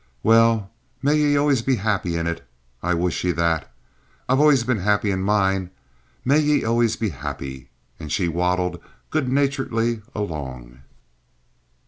"Well, may ye always be happy in it. I wish ye that. I've always been happy in mine. May ye always be happy." And she waddled good naturedly along.